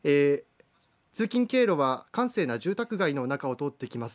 通勤経路は閑静な住宅街の中を通っていきます。